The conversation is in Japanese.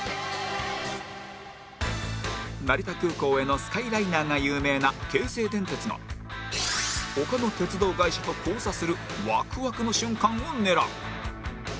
成田空港へのスカイライナーが有名な京成電鉄が他の鉄道会社と交差するワクワクの瞬間を狙う！